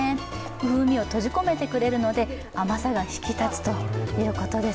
風味を閉じ込めてくれるので甘さが引き立つということです。